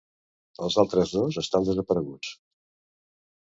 Els altres dos estan desapareguts.